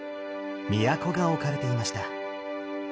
京が置かれていました。